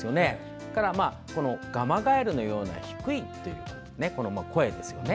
それから、ガマガエルのような低い声ですよね。